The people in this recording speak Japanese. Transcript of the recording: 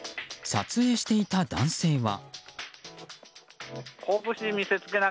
撮影していた男性は。